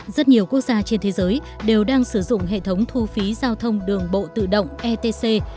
rất nhiều quốc gia trên thế giới đều đang sử dụng hệ thống thu phí giao thông đường bộ tự động etc